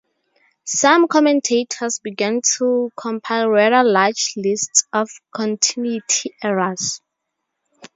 Some commentators began to compile rather large lists of continuity errors.